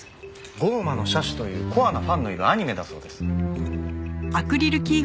『降魔の射手』というコアなファンのいるアニメだそうです。